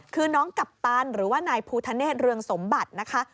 คือน้องกัปตันหรือว่านายภูทะเนศเรืองสมบัตินะคะ